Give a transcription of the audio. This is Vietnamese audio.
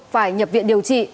phải nhập viện điều trị